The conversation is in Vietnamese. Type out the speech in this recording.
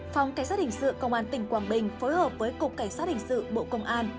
phòng cảnh sát hình sự công an tỉnh quảng bình phối hợp với cục cảnh sát hình sự bộ công an